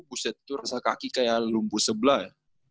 buset tuh rasa kaki kayak lumpur sebelah ya